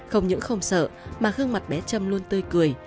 không những không sợ mà gương mặt bé trâm luôn tươi cười